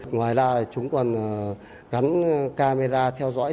ngoài ra chúng còn gắn camera theo dõi